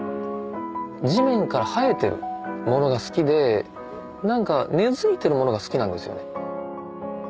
地面から生えてる物が好きで何か根付いてる物が好きなんですよね。